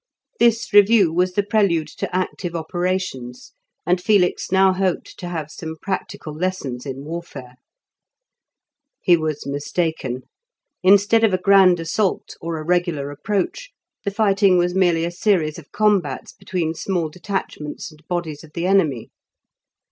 This review was the prelude to active operations, and Felix now hoped to have some practical lessons in warfare. He was mistaken. Instead of a grand assault, or a regular approach, the fighting was merely a series of combats between small detachments and bodies of the enemy.